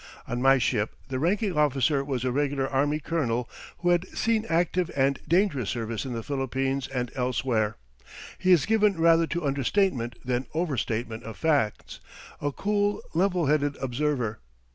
On my ship the ranking officer was a regular army colonel who had seen active and dangerous service in the Philippines and elsewhere. He is given rather to understatement than overstatement of facts a cool, level headed observer.